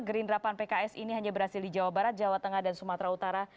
gerindra pan pks ini hanya berhasil di jawa barat jawa tengah dan sumatera utara